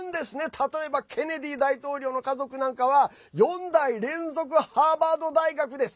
例えば、ケネディ大統領の家族なんかは４代連続ハーバード大学です。